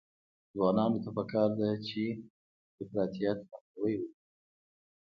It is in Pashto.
ځوانانو ته پکار ده چې، افراطیت مخنیوی وکړي.